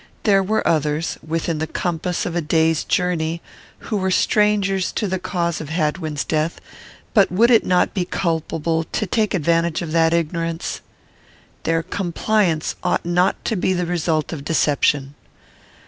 There were others, within the compass of a day's journey, who were strangers to the cause of Hadwin's death; but would it not be culpable to take advantage of that ignorance? Their compliance ought not to be the result of deception.